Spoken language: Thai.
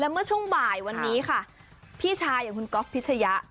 เมื่อช่วงบ่ายวันนี้ค่ะพี่ชายอย่างคุณก๊อฟพิชยะ